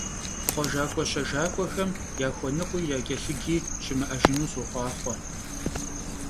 Xhuejjak'ue - şejjak'uexem yaxuenıkhui yaç'elhıci şımı'ejjınu soxhuaxhue!